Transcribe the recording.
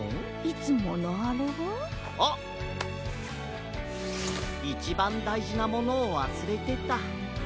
いちばんだいじなものをわすれてた。